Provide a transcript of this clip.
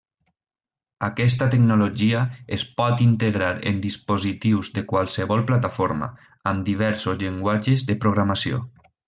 Aquesta tecnologia es pot integrar en dispositius de qualsevol plataforma, amb diversos llenguatges de programació.